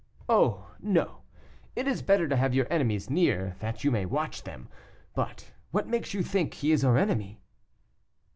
"Oh! no; it is better to have your enemies near, that you may watch them. But, what makes you think he is our enemy?"